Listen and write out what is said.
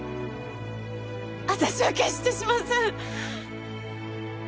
私は決してしません！